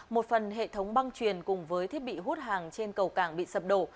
một phần hệ thống băng truyền cùng với thiết bị hút hàng trên cầu cảng bị sập đổ